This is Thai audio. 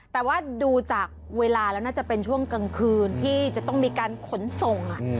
แต่ว่าดูจากเวลาแล้วน่าจะเป็นช่วงกลางคืนที่จะต้องมีการขนส่ง